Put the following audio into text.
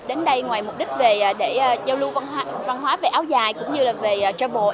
đến đây ngoài mục đích về để giao lưu văn hóa về áo dài cũng như là về travel